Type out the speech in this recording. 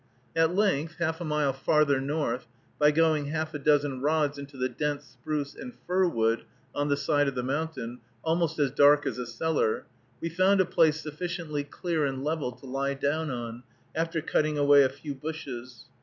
At length, half a mile farther north, by going half a dozen rods into the dense spruce and fir wood on the side of the mountain, almost as dark as a cellar, we found a place sufficiently clear and level to lie down on, after cutting away a few bushes.